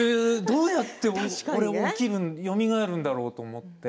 どうやって俺起きるんだろう、よみがえるんだろうと思って。